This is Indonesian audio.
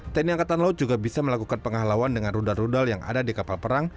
tni angkatan laut juga bisa melakukan penghalauan dengan rudal rudal yang ada di kapal perang